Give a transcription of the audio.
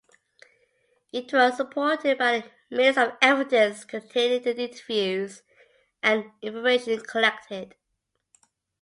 It was supported by the "Minutes of Evidence" containing the interviews and information collected.